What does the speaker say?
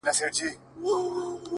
دا خو ددې لپاره،